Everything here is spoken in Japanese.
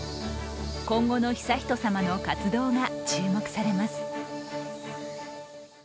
今後の悠仁さまの活動が注目されます。